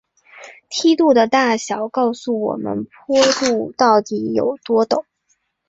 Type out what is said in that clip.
梯度的大小告诉我们坡度到底有多陡。